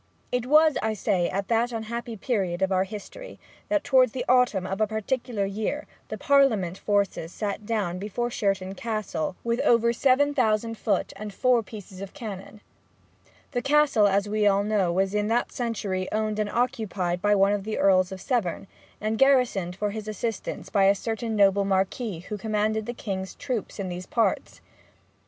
It was, I say, at that unhappy period of our history, that towards the autumn of a particular year, the Parliament forces sat down before Sherton Castle with over seven thousand foot and four pieces of cannon. The Castle, as we all know, was in that century owned and occupied by one of the Earls of Severn, and garrisoned for his assistance by a certain noble Marquis who commanded the King's troops in these parts.